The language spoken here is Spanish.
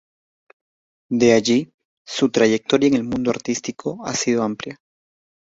De allí su trayectoria en el mundo artístico ha sido amplia.